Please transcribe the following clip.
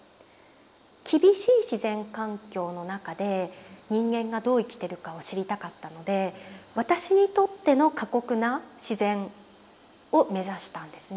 厳しい自然環境の中で人間がどう生きてるかを知りたかったので私にとっての過酷な自然を目指したんですね。